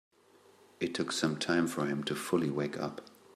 It took some time for him to fully wake up.